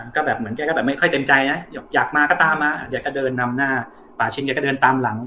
ก็แบบเหมือนแกก็แบบไม่ค่อยเต็มใจนะอยากมาก็ตามมาแกก็เดินนำหน้าป่าชินแกก็เดินตามหลัง